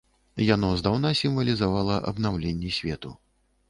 Яно здаўна сімвалізавала абнаўленне свету.